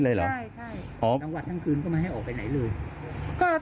ใช่น้องหวัดทั้งคืนก็ไม่ให้ออกไปไหนเลย